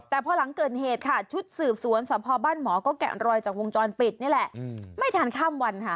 แต่พอหลังเกิดเหตุค่ะชุดสืบสวนสพบ้านหมอก็แกะรอยจากวงจรปิดนี่แหละไม่ทันข้ามวันค่ะ